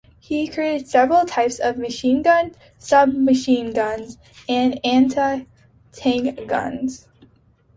He created several types of machine guns, submachine guns and anti-tank guns.